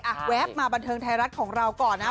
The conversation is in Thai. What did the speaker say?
แวบมาบันเทิงไทยรัฐของเราก่อนนะ